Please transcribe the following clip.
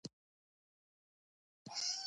د خط له اختراع وروسته دا ستونزې راپیدا شوې.